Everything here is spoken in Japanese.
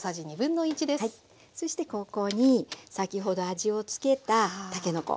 そしてここに先ほど味をつけたたけのこ。